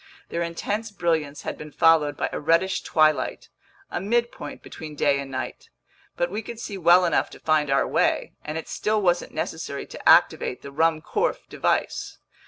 Their intense brilliance had been followed by a reddish twilight, a midpoint between day and night. But we could see well enough to find our way, and it still wasn't necessary to activate the Ruhmkorff device.